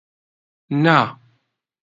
نا.